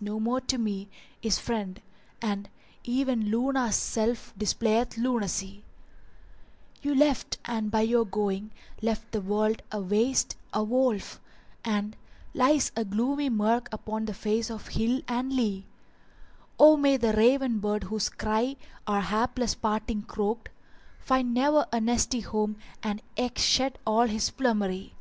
no more to me * Is friend; and even Luna's self displayeth lunacy: You left and by your going left the world a waste, a wold, * And lies a gloomy murk upon the face of hill and lea: O may the raven bird whose cry our hapless parting croaked * Find ne'er a nesty home and eke shed all his plumery!